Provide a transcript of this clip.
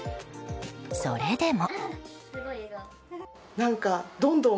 それでも。